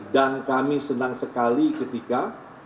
dan kami senang sekali ketika